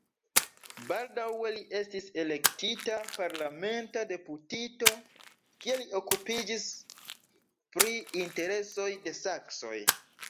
Baldaŭe li estis elektita parlamenta deputito, kie li okupiĝis pri interesoj de saksoj.